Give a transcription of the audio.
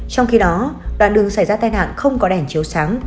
trong khi đó đoạn đường xảy ra tai nạn không có đèn chiếu sáng